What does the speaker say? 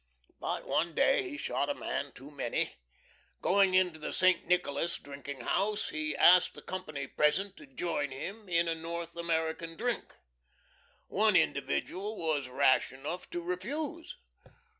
But one day he shot a man too many. Going into the St. Nicholas drinking house he asked the company present to join him in a North American drink. One individual was rash enough to refuse.